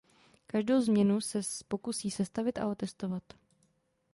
Každou změnu se pokusí sestavit a otestovat.